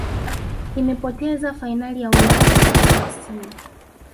imepoteza fainali ya Ulaya kwa chelsea